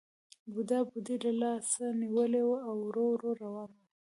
بوډا بوډۍ له لاسه نیولې وه او ورو ورو روان وو